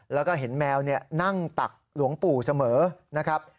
แล้วก็เห็นแมวนั่งตักหลวงปู่เสมอนะครับ